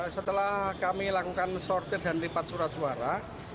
setelah kami lakukan sortir dan lipat surat suara